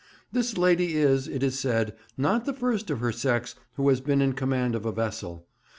This lady is, it is said, not the first of her sex who has been in command of a vessel.